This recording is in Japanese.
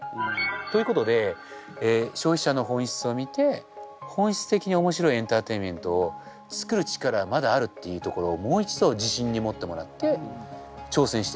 ということで消費者の本質を見て本質的に面白いエンターテインメントを作る力はまだあるっていうところをもう一度自信に持ってもらって挑戦していただく。